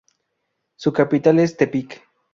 Su capital es Tepic.